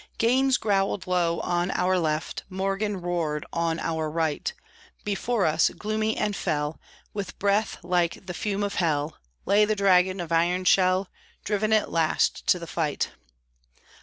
Gaines growled low on our left, Morgan roared on our right; Before us, gloomy and fell, With breath like the fume of hell, Lay the dragon of iron shell, Driven at last to the fight!